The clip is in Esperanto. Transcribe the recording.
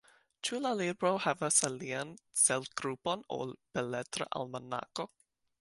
Ĉu la libro havas alian celgrupon ol Beletra Almanako?